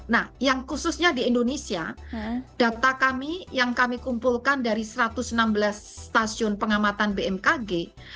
nah yang khususnya di indonesia data kami yang kami kumpulkan dari satu ratus enam belas stasiun pengamatan bmkg